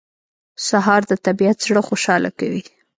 سهار د طبیعت زړه خوشاله کوي.